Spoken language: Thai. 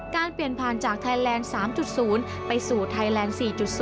เปลี่ยนผ่านจากไทยแลนด์๓๐ไปสู่ไทยแลนด์๔๐